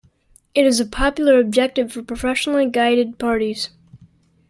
It is a popular objective for professionally guided parties.